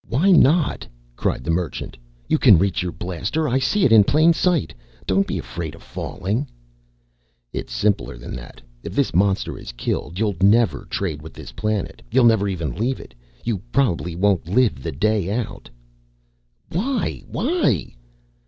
"Why not?" cried the Merchant. "You can reach your blaster. I see it in plain sight. Don't be afraid of falling." "It's simpler than that. If this monster is killed, you'll never trade with this planet. You'll never even leave it. You probably won't live the day out." "Why? Why?"